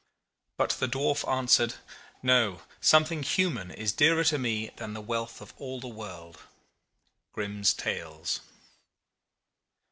But the Dwarf answered: No; something human is dearer to me than the wealth of all the world." GRIMM'S TALES.